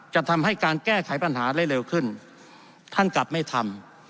จะทำให้การแก้ไขปัญหาได้เร็วขึ้นท่านกลับไม่ทำ